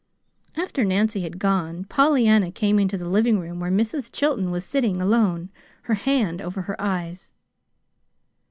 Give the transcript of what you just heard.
After Nancy had gone, Pollyanna came into the living room where Mrs. Chilton was sitting alone, her hand over her eyes.